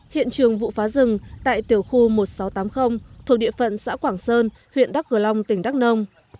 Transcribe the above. hiện trường vụ phá rừng tại tiểu khu một nghìn sáu trăm tám mươi thuộc địa phận xã quảng sơn huyện đắk cờ long tỉnh đắk nông